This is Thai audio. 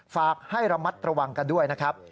ฝากให้ระมัดระวังกันด้วยนะครับ